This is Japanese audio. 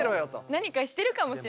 何かしてるかもしれない。